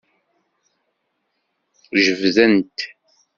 Jebden-t.